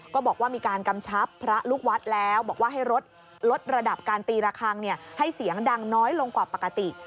ก็บอกว่ามีการกำชับพระลูกวัดแล้วบอกว่าให้ลดระดับการตีระคังให้เสียงดังน้อยลงกว่าปกติ